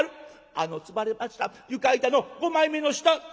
「あの積まれました床板の５枚目の下」。